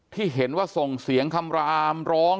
ที่เห็นว่าส่งเสียงคำรามร้อง